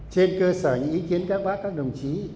trên cơ sở những ý kiến các bác các đồng chí